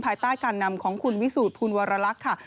ภายใต้การนำของคุณวิสูจนภูลวรรลักษณ์ค่ะ